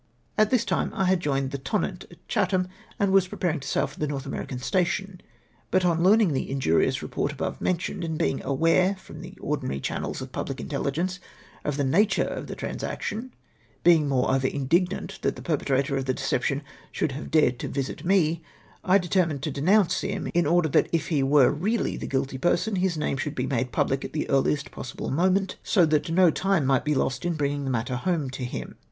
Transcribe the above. At this time I had joined the Tonnant at Chatham, and was preparing to sail for the North American station, but on learning the injurious report above mentioned, and l^eing aware from the ordinary channels of pubhc intelligeuce of the nature of the transac tion— being moreover indignant that the perpetrator of the deception should have dared to visit me, I determined to denounce him, in order that if he were really the guilty person, his name should be made })ublic at the earliest possible moment, so tliat RUMOURS IMPLICATING ME IN IT. 333 no time might be lost in bringing the matter home to him.